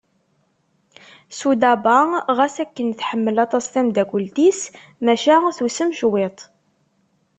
Sudaba ɣas akken tḥemmel aṭas tameddakelt-is maca tusem cwiṭ.